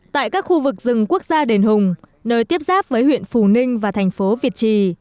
tại các khu vực rừng quốc gia đền hùng nơi tiếp giáp với huyện phù ninh và thành phố việt trì